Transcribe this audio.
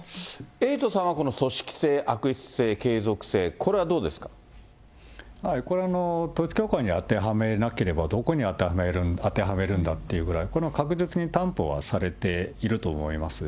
エイトさんはこの組織性、悪質性、継続性、これはどうですか。これ、統一教会に当てはめなければ、どこに当てはめるんだっていうぐらい、この確実に担保はされていると思います。